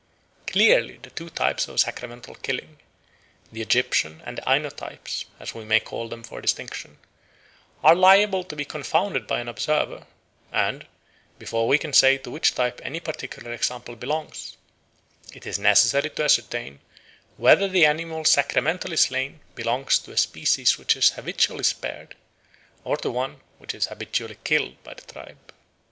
Clearly the two types of sacramental killing the Egyptian and the Aino types, as we may call them for distinction are liable to be confounded by an observer; and, before we can say to which type any particular example belongs, it is necessary to ascertain whether the animal sacramentally slain belongs to a species which is habitually spared, or to one which is habitually killed by the tribe.